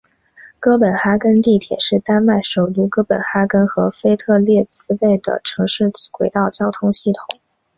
哥本哈根地铁是丹麦首都哥本哈根和腓特烈斯贝的城市轨道交通系统。